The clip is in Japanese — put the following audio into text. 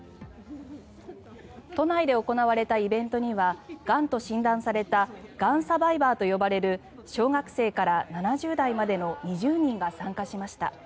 都内で行われたイベントにはがんと診断されたがんサバイバーと呼ばれる小学生から７０代までの２０人が参加しました。